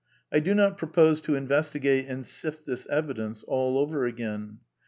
I do not propose to investigate and sift this evidence all over again.